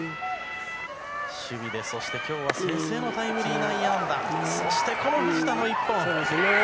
守備で、そして今日は先制のタイムリー内野安打そして、この藤田の１本。